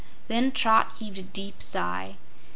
Then Trot heaved a deep sigh.